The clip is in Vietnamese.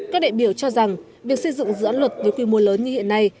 các đại biểu cho rằng việc xây dựng dự án luật với quy mô lớn như hiện nay